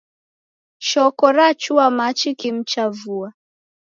Shoko rachua machi kimu cha vua.